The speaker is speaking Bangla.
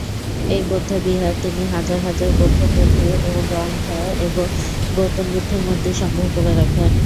এই বৌদ্ধবিহারে তিনি হাজার হাজার বৌদ্ধ পুঁথি ও গ্রন্থ এবং গৌতম বুদ্ধের মূর্তি সংগ্রহ করে রাখেন।